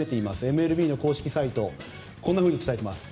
ＭＬＢ公式サイトもこんなふうに伝えています。